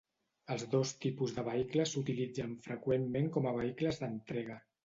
Els dos tipus de vehicles s'utilitzen freqüentment com a vehicles d'entrega.